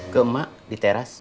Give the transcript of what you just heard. ke emak di teras